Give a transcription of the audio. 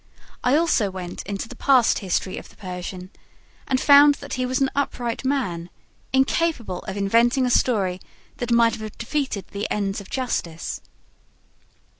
I also went into the past history of the Persian and found that he was an upright man, incapable of inventing a story that might have defeated the ends of justice.